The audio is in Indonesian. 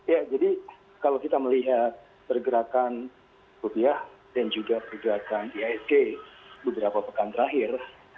ya jadi kalau kita melihat pergerakan rupiah dan juga pergerakan ihsg beberapa pekan terakhir